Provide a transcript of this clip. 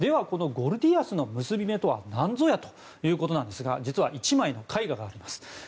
このゴルディアスの結び目とはなんぞやということなんですが実は１枚の絵画があります。